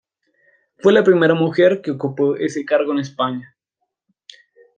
Fue la primera mujer que ocupó ese cargo en España.